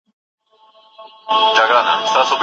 انا خپل کالي په پوره پاملرنه بدل کړل.